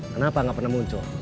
kenapa gak pernah muncul